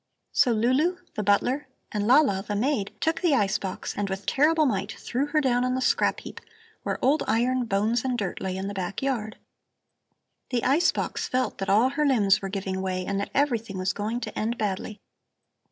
So Lulu, the butler, and Lala, the maid, took the ice box and with terrible might threw her down on the scrap heap, where old iron, bones and dirt lay in the back yard. "The ice box felt that all her limbs were giving way and that everything was going to end badly.